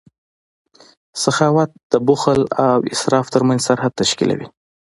سخاوت د بخل او اسراف ترمنځ سرحد تشکیلوي.